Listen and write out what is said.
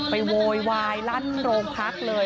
โวยวายลั่นโรงพักเลย